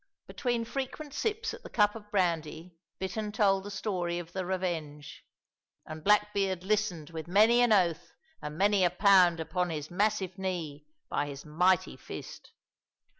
Between frequent sips at the cup of brandy Bittern told the story of the Revenge, and Blackbeard listened with many an oath and many a pound upon his massive knee by his mighty fist.